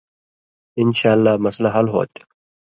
انشاءاللہ مسئلہ حل ہو تھی۔